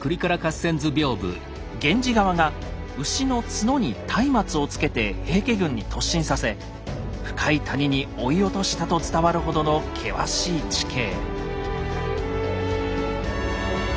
源氏側が牛の角にたいまつをつけて平家軍に突進させ深い谷に追い落としたと伝わるほどの険しい地形。